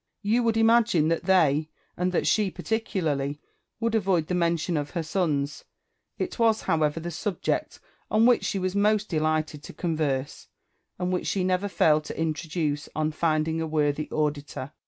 You would imagine that they, and that she particularly, would avoid the mention of her sons : it was however the subject on which she most delighted to con verse, and which she never failed to introduce on finding a worthy auditor.